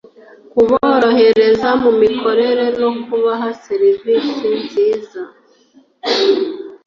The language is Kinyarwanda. kuborohereza mu mikorera no kubaha serivisi nziza